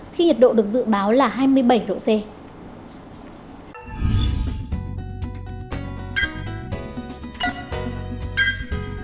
khi nhiệt độ được dự báo là hai mươi bảy độ c